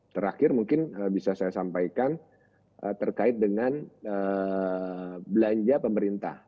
terakhir mungkin bisa saya sampaikan terkait dengan belanja pemerintah